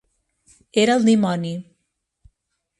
Era el dimoni!